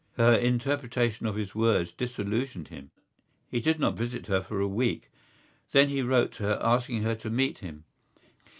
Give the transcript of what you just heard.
Her interpretation of his words disillusioned him. He did not visit her for a week, then he wrote to her asking her to meet him.